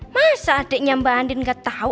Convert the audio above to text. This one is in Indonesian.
masa adeknya mbak andin gak tau